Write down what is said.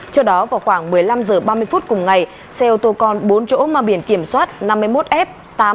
trước đó vào khoảng một mươi năm h ba mươi cùng ngày xe ô tô còn bốn chỗ ma biển kiểm soát năm mươi một f tám mươi hai nghìn chín mươi bảy